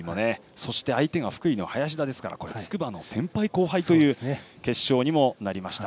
そして、相手が福井の林田ですから筑波の先輩・後輩という決勝にもなりました。